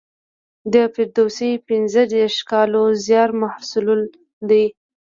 د فردوسي پنځه دېرش کالو زیار محصول دی.